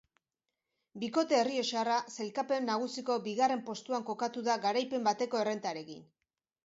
Bikote errioxarra sailkapen nagusiko bigarren postuan kokatu da garaipen bateko errentarekin.